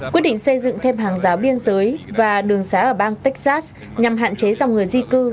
quyết định xây dựng thêm hàng giáo biên giới và đường xá ở bang texas nhằm hạn chế dòng người di cư